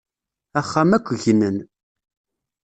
Axxam akk gnen.